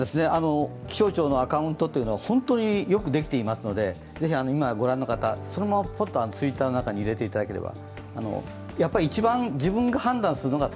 気象庁のアカウントは本当によくできていますので、ぜひ、今、御覧の方、そのままポッとＴｗｉｔｔｅｒの中に入れていただければ。